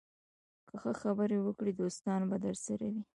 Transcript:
که ښه خبرې وکړې، دوستان به درسره وي